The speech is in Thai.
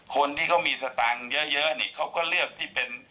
คนที่เขามีสตางค์เยอะนี่เขาก็เลือกที่เป็น